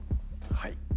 はい。